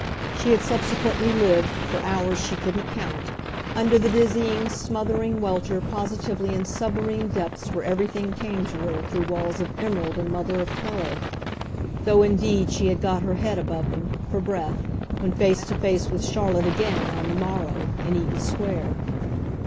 She had subsequently lived, for hours she couldn't count, under the dizzying, smothering welter positively in submarine depths where everything came to her through walls of emerald and mother of pearl; though indeed she had got her head above them, for breath, when face to face with Charlotte again, on the morrow, in Eaton Square.